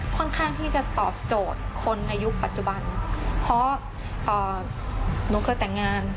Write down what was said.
ค่อนข้างที่จะตอบโจทย์คนอายุปัจจุบันเพราะหนูเคยแต่งงาน